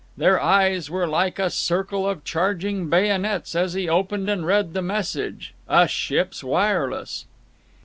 Their eyes were like a circle of charging bayonets as he opened and read the message—a ship's wireless.